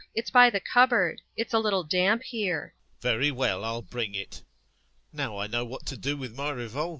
It's by the cupboard. It's a little damp here. EPIKHODOV. Very well... I'll bring it.... Now I know what to do with my revolver.